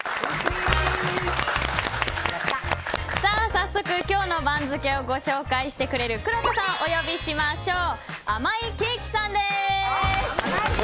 早速、今日の番付をご紹介してくれるくろうとさんをお呼びしましょう。